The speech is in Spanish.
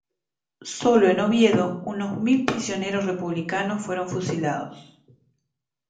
Sólo en Oviedo unos mil prisioneros republicanos fueron fusilados.